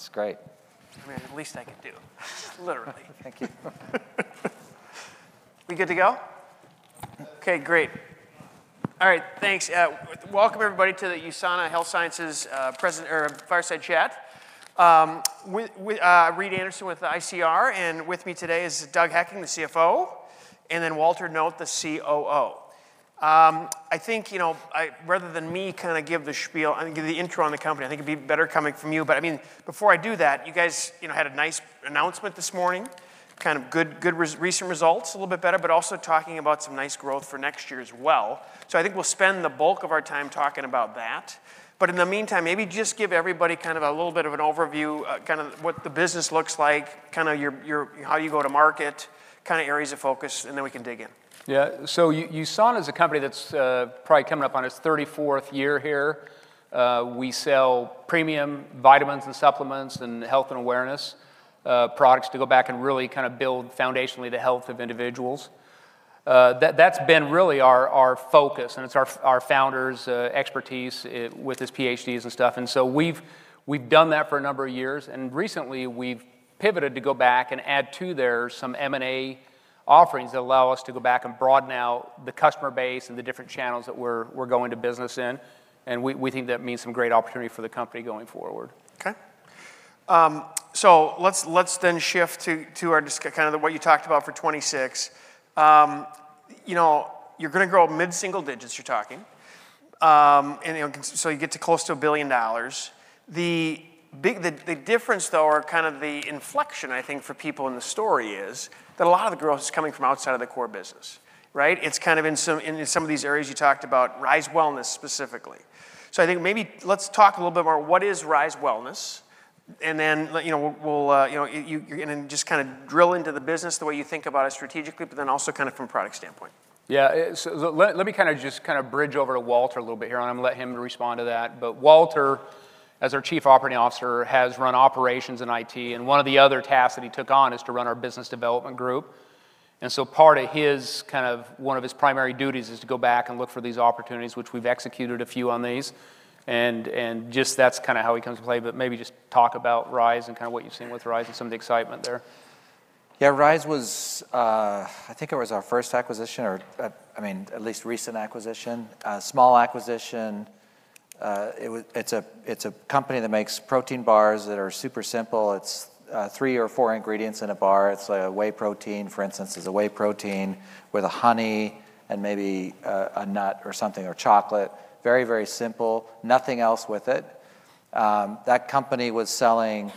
That's great. I mean, at least I can do it. Literally. Thank you. We good to go? Okay, great. All right, thanks. Welcome, everybody, to the USANA Health Sciences fireside chat. Reed Anderson with ICR, and with me today is Doug Hekking, the CFO, and then Walter Noot, the COO. I think, you know, rather than me kind of give the intro on the company, I think it'd be better coming from you. But I mean, before I do that, you guys had a nice announcement this morning, kind of good recent results, a little bit better, but also talking about some nice growth for next year as well. So I think we'll spend the bulk of our time talking about that. But in the meantime, maybe just give everybody kind of a little bit of an overview, kind of what the business looks like, kind of how you go to market, kind of areas of focus, and then we can dig in. Yeah, so USANA is a company that's probably coming up on its 34th year here. We sell premium vitamins and supplements and health and awareness products to go back and really kind of build foundationally the health of individuals. That's been really our focus, and it's our founders' expertise with his PhDs and stuff. And so we've done that for a number of years. And recently, we've pivoted to go back and add to there some M&A offerings that allow us to go back and broaden out the customer base and the different channels that we're going to business in. And we think that means some great opportunity for the company going forward. Okay. So let's then shift to kind of what you talked about for 2026. You're going to grow mid-single digits, you're talking, and so you get to close to $1 billion. The difference, though, or kind of the inflection, I think, for people in the story is that a lot of the growth is coming from outside of the core business, right? It's kind of in some of these areas you talked about, Rise Wellness specifically. So I think maybe let's talk a little bit more, what is Rise Wellness? And then you're going to just kind of drill into the business, the way you think about it strategically, but then also kind of from a product standpoint. Yeah, so let me kind of just kind of bridge over to Walter a little bit here, and I'm going to let him respond to that. But Walter, as our Chief Operating Officer, has run operations and IT, and one of the other tasks that he took on is to run our business development group. And so part of his kind of one of his primary duties is to go back and look for these opportunities, which we've executed a few on these. And just that's kind of how he comes into play. But maybe just talk about Rise and kind of what you've seen with Rise and some of the excitement there. Yeah, Rise was, I think it was our first acquisition, or I mean, at least recent acquisition, small acquisition. It's a company that makes protein bars that are super simple. It's three or four ingredients in a bar. It's like a whey protein, for instance, is a whey protein with a honey and maybe a nut or something or chocolate. Very, very simple, nothing else with it. That company was selling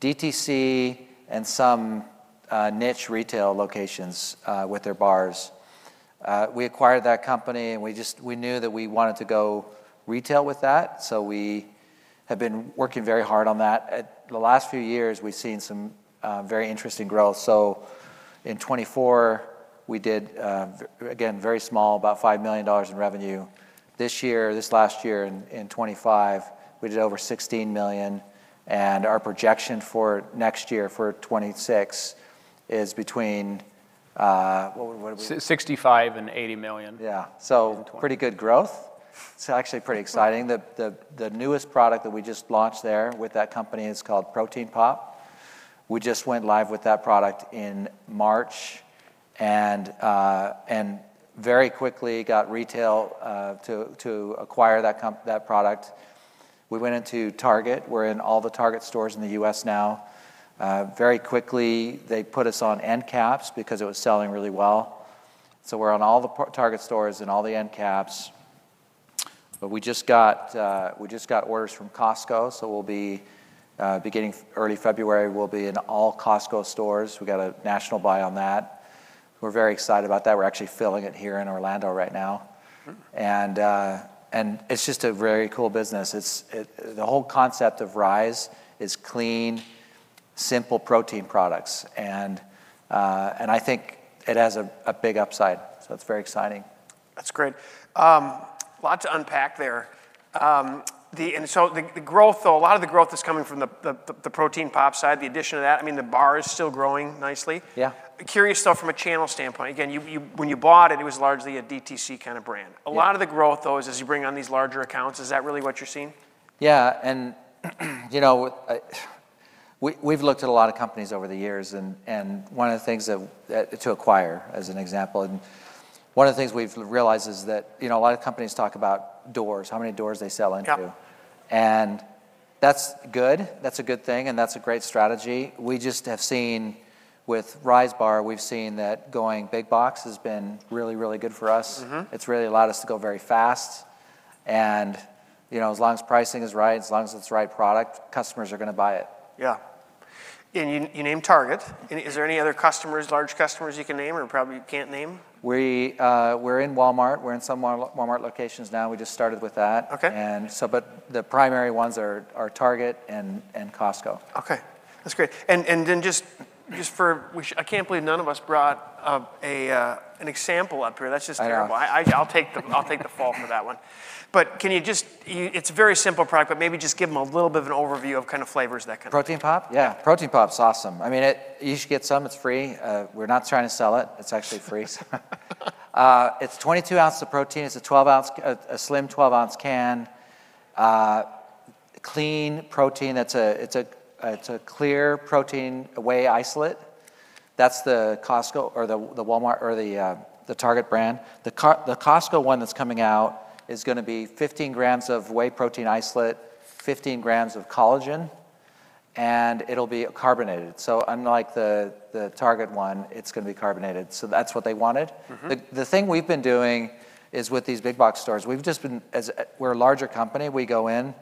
DTC and some niche retail locations with their bars. We acquired that company, and we knew that we wanted to go retail with that. So we have been working very hard on that. The last few years, we've seen some very interesting growth. So in 2024, we did, again, very small, about $5 million in revenue. This year, this last year, in 2025, we did over $16 million. And our projection for next year for 2026 is between what are we? $65-$80 million. Yeah, so pretty good growth. It's actually pretty exciting. The newest product that we just launched there with that company is called Protein Pop. We just went live with that product in March and very quickly got retail to acquire that product. We went into Target. We're in all the Target stores in the U.S. now. Very quickly, they put us on end caps because it was selling really well, so we're on all the Target stores and all the end caps, but we just got orders from Costco, so we'll be beginning early February, we'll be in all Costco stores. We got a national buy on that. We're very excited about that. We're actually filling it here in Orlando right now, and it's just a very cool business. The whole concept of Rise is clean, simple protein products, and I think it has a big upside. So it's very exciting. That's great. A lot to unpack there. And so the growth, though, a lot of the growth is coming from the Protein Pop side, the addition of that. I mean, the bar is still growing nicely. Yeah. Curious, though, from a channel standpoint. Again, when you bought it, it was largely a DTC kind of brand. A lot of the growth, though, is as you bring on these larger accounts. Is that really what you're seeing? Yeah. And we've looked at a lot of companies over the years. And one of the things to acquire, as an example, and one of the things we've realized is that a lot of companies talk about doors, how many doors they sell into. And that's good. That's a good thing. And that's a great strategy. We just have seen with Rise Bar, we've seen that going big box has been really, really good for us. It's really allowed us to go very fast. And as long as pricing is right, as long as it's the right product, customers are going to buy it. Yeah, and you named Target. Is there any other customers, large customers you can name or probably can't name? We're in Walmart. We're in some Walmart locations now. We just started with that. But the primary ones are Target and Costco. Okay. That's great. And then just for, I can't believe none of us brought an example up here. That's just terrible. I'll take the fault for that one. But can you just, it's a very simple product, but maybe just give them a little bit of an overview of kind of flavors that kind of. Protein Pop? Yeah, Protein Pop's awesome. I mean, you should get some. It's free. We're not trying to sell it. It's actually free. It's 22 ounces of protein. It's a slim 12-ounce can, clean protein. It's a clear protein whey isolate. That's the Costco or the Walmart or the Target brand. The Costco one that's coming out is going to be 15 grams of whey protein isolate, 15 grams of collagen, and it'll be carbonated, so unlike the Target one, it's going to be carbonated, so that's what they wanted. The thing we've been doing is with these big box stores. We've just been. We're a larger company. We go in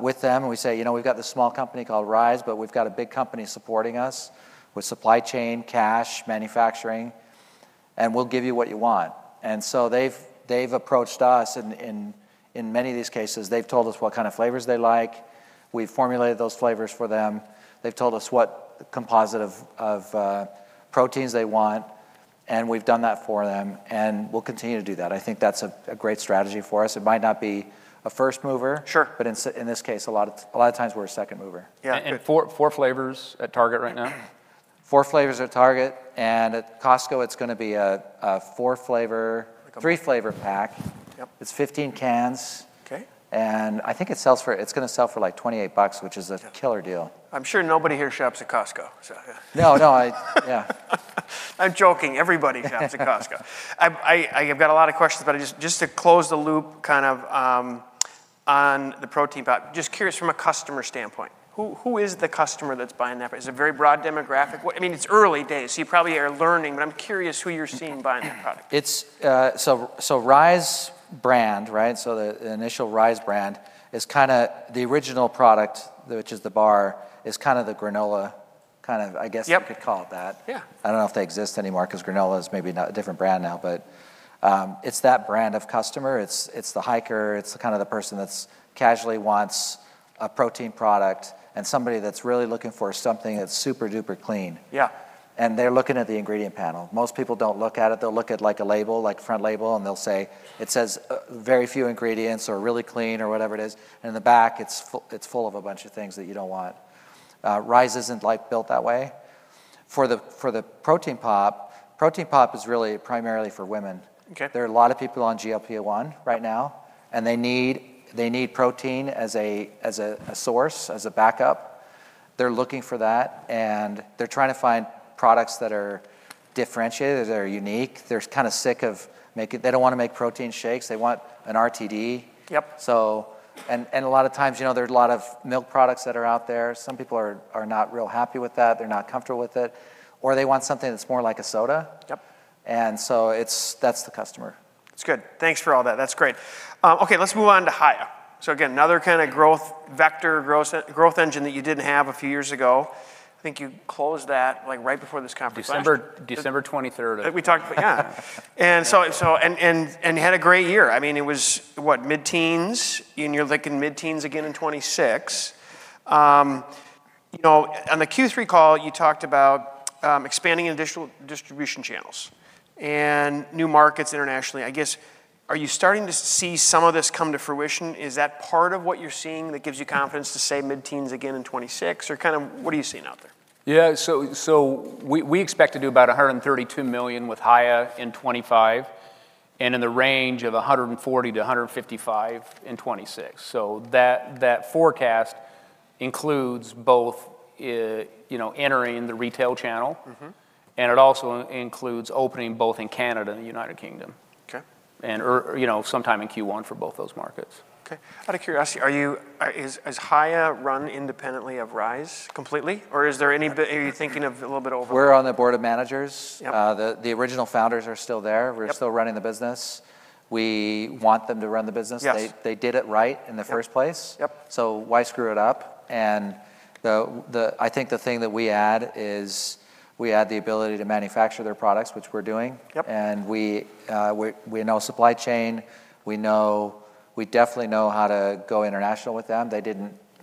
with them and we say, you know, we've got this small company called Rise, but we've got a big company supporting us with supply chain, cash, manufacturing. And we'll give you what you want. And so they've approached us. In many of these cases, they've told us what kind of flavors they like. We've formulated those flavors for them. They've told us what composite of proteins they want. And we've done that for them. And we'll continue to do that. I think that's a great strategy for us. It might not be a first mover. Sure. But in this case, a lot of times we're a second mover. Yeah, and four flavors at Target right now? Four flavors at Target. And at Costco, it's going to be a four-flavor, three-flavor pack. It's 15 cans. And I think it's going to sell for like $28, which is a killer deal. I'm sure nobody here shops at Costco. No, no. Yeah. I'm joking. Everybody shops at Costco. I've got a lot of questions, but just to close the loop kind of on the Protein Pop, just curious from a customer standpoint, who is the customer that's buying that? Is it a very broad demographic? I mean, it's early days. So you probably are learning, but I'm curious who you're seeing buying that product. Rise brand, right? The initial Rise brand is kind of the original product, which is the bar, is kind of the granola, kind of. I guess you could call it that. Yeah. I don't know if they exist anymore because granola is maybe a different brand now, but it's that brand of customer. It's the hiker. It's kind of the person that's casually wants a protein product and somebody that's really looking for something that's super duper clean. Yeah. And they're looking at the ingredient panel. Most people don't look at it. They'll look at like a label, like front label, and they'll say it says very few ingredients or really clean or whatever it is. And in the back, it's full of a bunch of things that you don't want. Rise isn't built that way. For the Protein Pop, Protein Pop is really primarily for women. There are a lot of people on GLP-1 right now, and they need protein as a source, as a backup. They're looking for that, and they're trying to find products that are differentiated, that are unique. They're kind of sick of making. They don't want to make protein shakes. They want an RTD. Yep. And a lot of times, you know, there are a lot of milk products that are out there. Some people are not real happy with that. They're not comfortable with it. Or they want something that's more like a soda. And so that's the customer. That's good. Thanks for all that. That's great. Okay, let's move on to Hiya. So again, another kind of growth vector, growth engine that you didn't have a few years ago. I think you closed that like right before this conference. December 23rd. We talked about, yeah, and you had a great year. I mean, it was, what, mid-teens? You're looking mid-teens again in 2026. On the Q3 call, you talked about expanding distribution channels and new markets internationally. I guess, are you starting to see some of this come to fruition? Is that part of what you're seeing that gives you confidence to say mid-teens again in 2026? Or kind of what are you seeing out there? Yeah, so we expect to do about $132 million with Hiya in 2025 and in the range of $140-$155 million in 2026. So that forecast includes both entering the retail channel, and it also includes opening both in Canada and the United Kingdom, and sometime in Q1 for both those markets. Okay. Out of curiosity, is Hiya run independently of Rise completely? Or are you thinking of a little bit over? We're on the board of managers. The original founders are still there. We're still running the business. We want them to run the business. They did it right in the first place. So why screw it up? And I think the thing that we add is we add the ability to manufacture their products, which we're doing. And we know supply chain. We definitely know how to go international with them.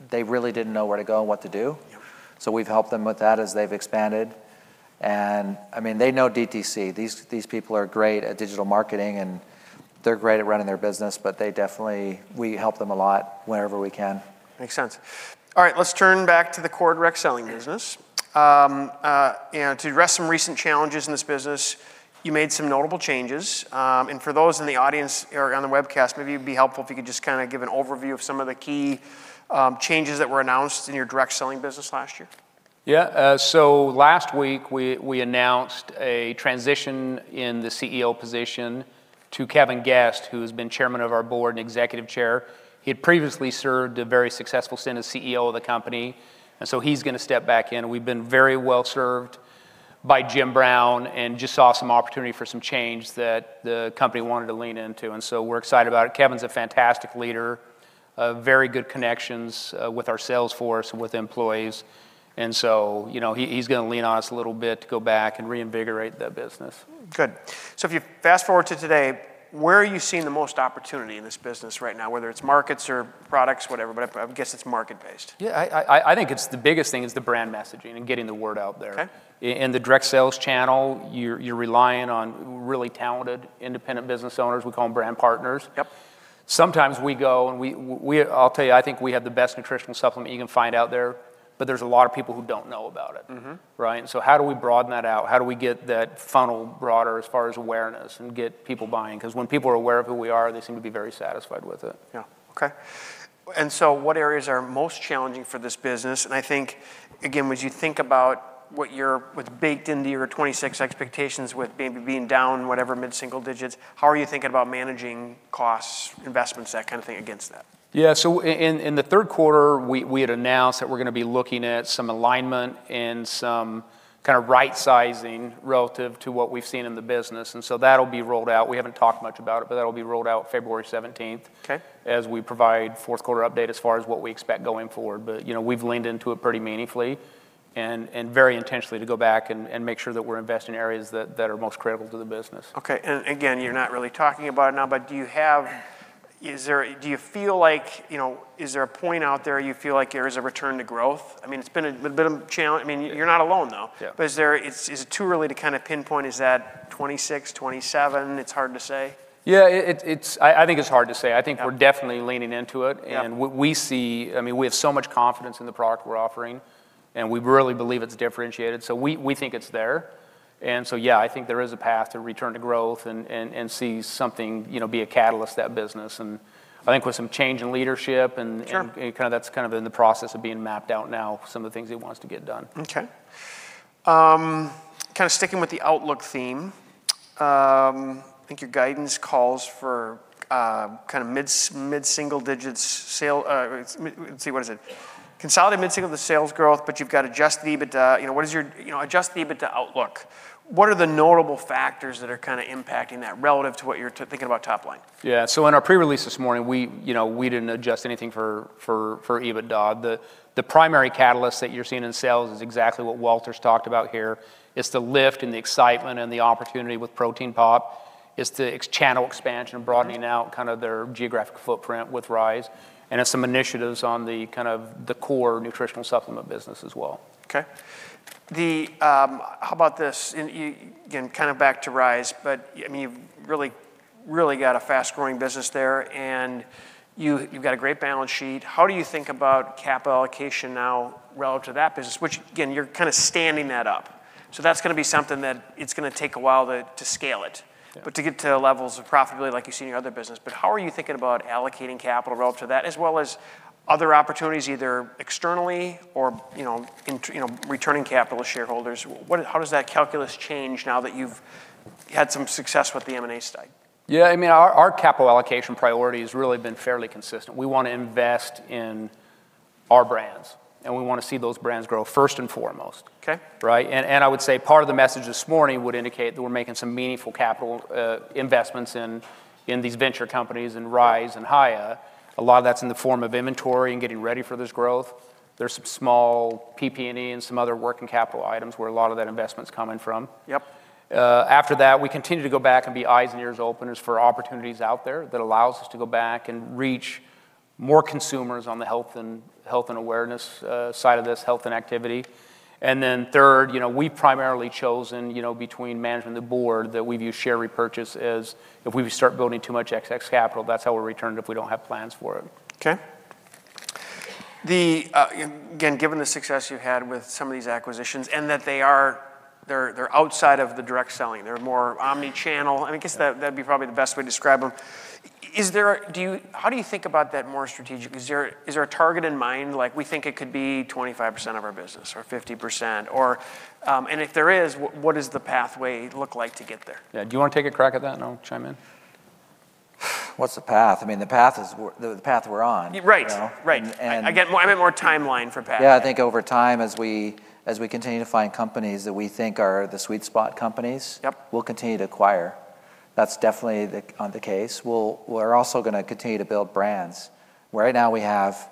They really didn't know where to go and what to do. So we've helped them with that as they've expanded. And I mean, they know DTC. These people are great at digital marketing, and they're great at running their business, but we help them a lot wherever we can. Makes sense. All right, let's turn back to the core direct selling business. To address some recent challenges in this business, you made some notable changes. And for those in the audience or on the webcast, maybe it would be helpful if you could just kind of give an overview of some of the key changes that were announced in your direct selling business last year. Yeah. So last week, we announced a transition in the CEO position to Kevin Guest, who has been chairman of our board and executive chair. He had previously served a very successful stint as CEO of the company. And so he's going to step back in. We've been very well served by Jim Brown and just saw some opportunity for some change that the company wanted to lean into. And so we're excited about it. Kevin's a fantastic leader, very good connections with our sales force and with employees. And so he's going to lean on us a little bit to go back and reinvigorate the business. Good. So if you fast forward to today, where are you seeing the most opportunity in this business right now, whether it's markets or products, whatever, but I guess it's market-based? Yeah, I think the biggest thing is the brand messaging and getting the word out there. In the direct sales channel, you're relying on really talented independent business owners. We call them brand partners. Sometimes we go, and I'll tell you, I think we have the best nutritional supplement you can find out there, but there's a lot of people who don't know about it. Right? And so how do we broaden that out? How do we get that funnel broader as far as awareness and get people buying? Because when people are aware of who we are, they seem to be very satisfied with it. Yeah. Okay. And so what areas are most challenging for this business? And I think, again, as you think about what's baked into your 2026 expectations with maybe being down whatever mid-single digits, how are you thinking about managing costs, investments, that kind of thing against that? Yeah. So in the third quarter, we had announced that we're going to be looking at some alignment and some kind of right-sizing relative to what we've seen in the business. And so that'll be rolled out. We haven't talked much about it, but that'll be rolled out February 17th as we provide fourth quarter update as far as what we expect going forward. But we've leaned into it pretty meaningfully and very intentionally to go back and make sure that we're investing in areas that are most critical to the business. Okay. And again, you're not really talking about it now, but do you feel like is there a point out there you feel like there is a return to growth? I mean, it's been a bit of a challenge. I mean, you're not alone, though. But is it too early to kind of pinpoint? Is that 2026, 2027? It's hard to say. Yeah, I think it's hard to say. I think we're definitely leaning into it. And I mean, we have so much confidence in the product we're offering, and we really believe it's differentiated. So we think it's there. And so yeah, I think there is a path to return to growth and see something be a catalyst to that business. And I think with some change in leadership, and that's kind of in the process of being mapped out now, some of the things he wants to get done. Okay. Kind of sticking with the outlook theme, I think your guidance calls for kind of mid-single-digit sales. Let's see, what is it? Consolidated mid-single-digit sales growth, but you've got Adjusted EBITDA. What is your Adjusted EBITDA outlook? What are the notable factors that are kind of impacting that relative to what you're thinking about top line? Yeah. So in our pre-release this morning, we didn't adjust anything for EBITDA. The primary catalyst that you're seeing in sales is exactly what Walter talked about here. It's the lift and the excitement and the opportunity with Protein Pop. It's the channel expansion and broadening out kind of their geographic footprint with Rise. And it's some initiatives on the kind of the core nutritional supplement business as well. Okay. How about this? Again, kind of back to Rise, but I mean, you've really, really got a fast-growing business there, and you've got a great balance sheet. How do you think about capital allocation now relative to that business? Which, again, you're kind of standing that up. So that's going to be something that it's going to take a while to scale it, but to get to levels of profitability like you've seen in your other business. But how are you thinking about allocating capital relative to that as well as other opportunities either externally or returning capital to shareholders? How does that calculus change now that you've had some success with the M&A side? Yeah. I mean, our capital allocation priority has really been fairly consistent. We want to invest in our brands, and we want to see those brands grow first and foremost. Right? And I would say part of the message this morning would indicate that we're making some meaningful capital investments in these venture companies and Rise and HYA. A lot of that's in the form of inventory and getting ready for this growth. There's some small PP&E and some other working capital items where a lot of that investment's coming from. Yep. After that, we continue to go back and be eyes and ears openers for opportunities out there that allows us to go back and reach more consumers on the health and awareness side of this health and activity. And then third, we've primarily chosen between management and the board that we've used share repurchase as if we start building too much excess capital. That's how we're returned if we don't have plans for it. Okay. Again, given the success you've had with some of these acquisitions and that they're outside of the direct selling, they're more omnichannel, I guess that'd be probably the best way to describe them. How do you think about that more strategically? Is there a target in mind? Like we think it could be 25% of our business or 50%? And if there is, what does the pathway look like to get there? Yeah. Do you want to take a crack at that and I'll chime in? What's the path? I mean, the path we're on. Right. Right. I meant more timeline for path. Yeah. I think over time, as we continue to find companies that we think are the sweet spot companies, we'll continue to acquire. That's definitely the case. We're also going to continue to build brands. Right now, we have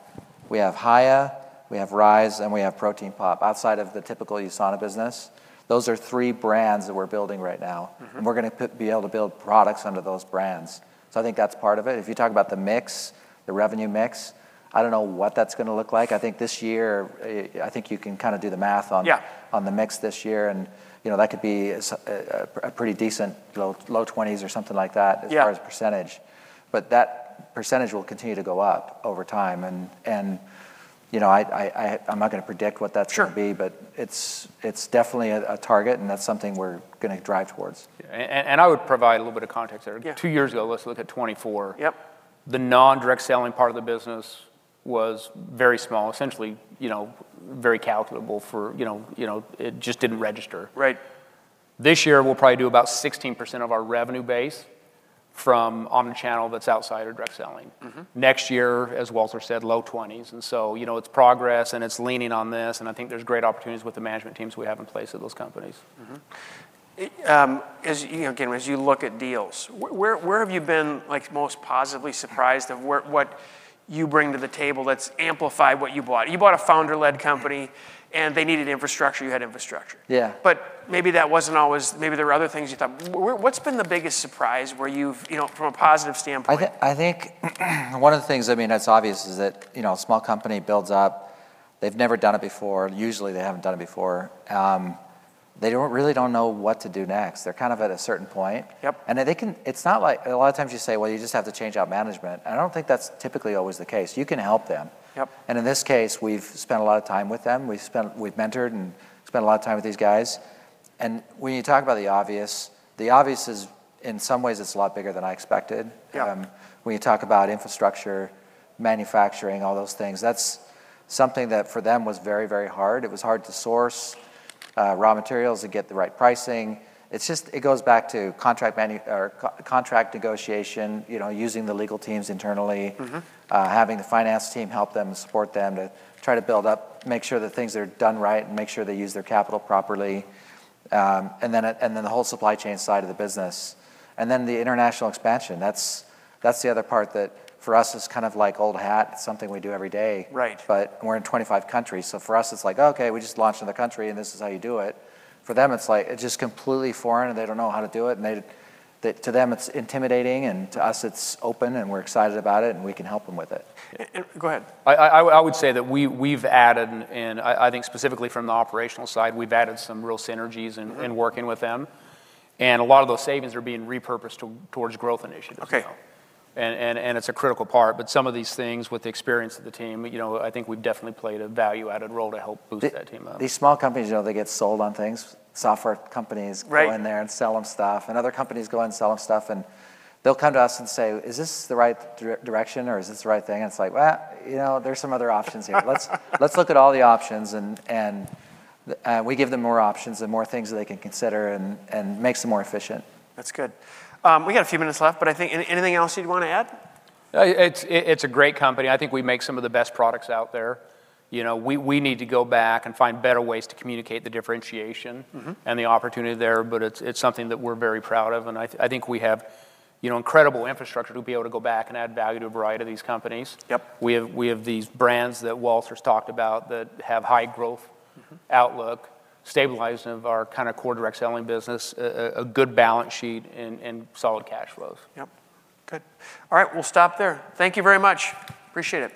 HYA, we have Rise, and we have Protein Pop outside of the typical USANA business. Those are three brands that we're building right now. And we're going to be able to build products under those brands. So I think that's part of it. If you talk about the mix, the revenue mix, I don't know what that's going to look like. I think this year, I think you can kind of do the math on the mix this year. And that could be a pretty decent low 20s% or something like that. But that percentage will continue to go up over time. I'm not going to predict what that's going to be, but it's definitely a target, and that's something we're going to drive towards. I would provide a little bit of context there. Two years ago, let's look at 2024. The non-direct selling part of the business was very small, essentially very negligible, for it just didn't register. This year, we'll probably do about 16% of our revenue base from omnichannel that's outside of direct selling. Next year, as Walter said, low 20s. So it's progress, and it's leaning on this. I think there's great opportunities with the management teams we have in place at those companies. Again, as you look at deals, where have you been most positively surprised of what you bring to the table that's amplified what you bought? You bought a founder-led company, and they needed infrastructure. You had infrastructure. Yeah. But maybe that wasn't always, maybe there were other things you thought. What's been the biggest surprise from a positive standpoint? I think one of the things, I mean, that's obvious, is that a small company builds up. They've never done it before. Usually, they haven't done it before. They really don't know what to do next. They're kind of at a certain point, and it's not like a lot of times you say, well, you just have to change out management, and I don't think that's typically always the case. You can help them, and in this case, we've spent a lot of time with them. We've mentored and spent a lot of time with these guys, and when you talk about the obvious, the obvious is in some ways, it's a lot bigger than I expected. When you talk about infrastructure, manufacturing, all those things, that's something that for them was very, very hard. It was hard to source raw materials and get the right pricing. It goes back to contract negotiation, using the legal teams internally, having the finance team help them and support them to try to build up, make sure that things are done right, and make sure they use their capital properly. And then the whole supply chain side of the business. And then the international expansion. That's the other part that for us is kind of like old hat. It's something we do every day. But we're in 25 countries. So for us, it's like, okay, we just launched in the country, and this is how you do it. For them, it's like it's just completely foreign, and they don't know how to do it. And to them, it's intimidating. And to us, it's open, and we're excited about it, and we can help them with it. Go ahead. I would say that we've added, and I think specifically from the operational side, we've added some real synergies in working with them, and a lot of those savings are being repurposed towards growth initiatives, and it's a critical part, but some of these things, with the experience of the team, I think we've definitely played a value-added role to help boost that team up. These small companies, they get sold on things. Software companies go in there and sell them stuff. And other companies go and sell them stuff. And they'll come to us and say, is this the right direction, or is this the right thing? And it's like, well, there's some other options here. Let's look at all the options. And we give them more options and more things that they can consider and make them more efficient. That's good. We got a few minutes left, but I think anything else you'd want to add? It's a great company. I think we make some of the best products out there. We need to go back and find better ways to communicate the differentiation and the opportunity there. But it's something that we're very proud of. And I think we have incredible infrastructure to be able to go back and add value to a variety of these companies. We have these brands that Walter talked about that have high growth outlook, stabilizing of our kind of core direct selling business, a good balance sheet, and solid cash flows. Yep. Good. All right. We'll stop there. Thank you very much. Appreciate it.